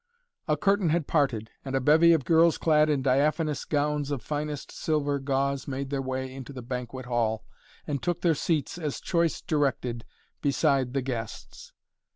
A curtain had parted and a bevy of girls clad in diaphanous gowns of finest silver gauze made their way into the banquet hall and took their seats, as choice directed, beside the guests.